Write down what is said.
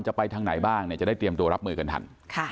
จะได้เตรียมตัวรับมือกันทัน